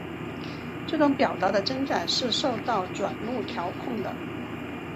这种表达的增长是受到转录调控的。